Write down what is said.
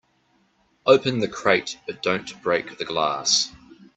Open the crate but don't break the glass.